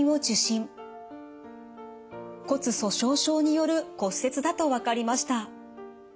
骨粗しょう症による骨折だと分かりました。